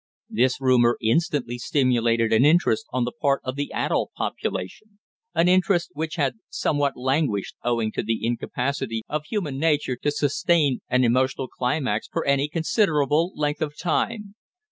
This rumor instantly stimulated an interest on the part of the adult population, an interest which had somewhat languished owing to the incapacity of human nature to sustain an emotional climax for any considerable length of time.